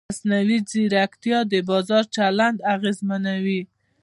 مصنوعي ځیرکتیا د بازار چلند اغېزمنوي.